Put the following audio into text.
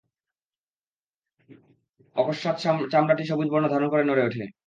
অকস্মাৎ চামড়াটি সবুজ বর্ণ ধারণ করে নড়ে উঠে।